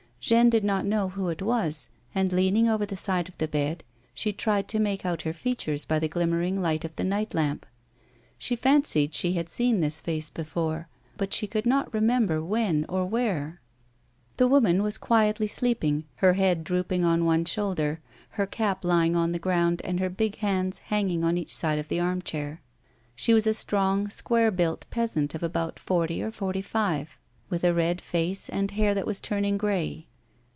Jeanne did not know who it was, and, leaning over the side of the bed, she tried to make out her features by the glimmering light of the night lamp. Slic fancied she had seen this face before, but she could not remember when or where. A WOMAN'S LIFE. 211 The woman was quietly sleeping, her head drooping on one shoulder, her cap lying on the ground and her big hands hanging on each side of the arm chair. She was a strong, square built peasant of about forty or forty five, with a red face and hair that was turning grey.